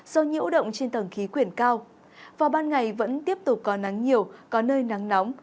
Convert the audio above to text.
do nhiễu động trên tầng khí quyển cao vào ban ngày vẫn tiếp tục có nắng nhiều có nơi nắng nóng